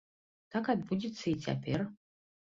Так адбудзецца і цяпер.